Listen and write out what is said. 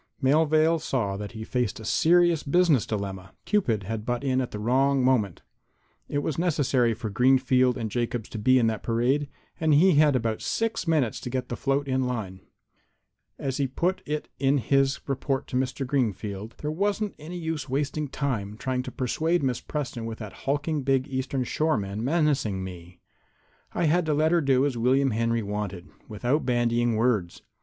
Melvale saw that he faced a serious business dilemma. Cupid had butt in at the wrong moment. It was necessary for Greenfield & Jacobs to be in that parade, and he had about six minutes to get the float in line. As he put it in his report to Mr. Greenfield, "There wasn't any use wasting time trying to persuade Miss Preston with that hulking big Eastern Shoreman menacing me. I had to let her do as William Henry wanted, without bandying words.